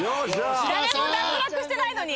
誰も脱落してないのに！